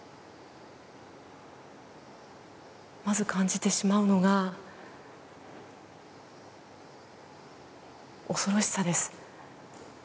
まず感じてしまうのが恐ろしさです。